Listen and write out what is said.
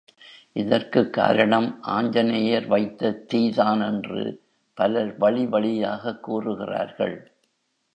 இதற்குக் காரணம் ஆஞ்சநேயர் வைத்த தீதான் என்று பலர் வழிவழியாகக் கூறுகிறார்கள்.